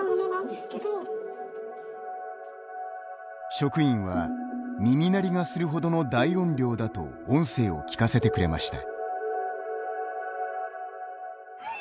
職員は、耳鳴りがするほどの大音量だと音声を聞かせてくれました。